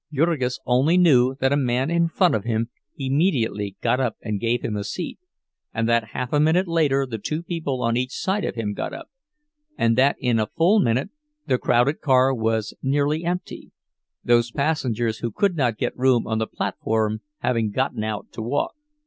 Jurgis only knew that a man in front of him immediately got up and gave him a seat; and that half a minute later the two people on each side of him got up; and that in a full minute the crowded car was nearly empty—those passengers who could not get room on the platform having gotten out to walk.